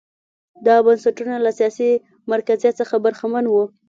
دا بنسټونه له سیاسي مرکزیت څخه برخمن وو.